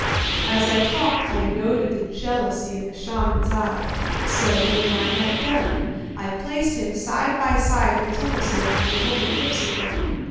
As I talked I noted the jealousy in the shaman's eye, so when I had done, I placed him side by side with Tummasook and the woman Ipsukuk.